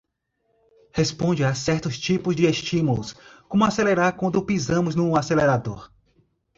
Responde a certos tipos de estímulos, como acelerar quando pisamos no acelerador